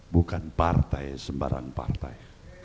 bukan partai sembarang partai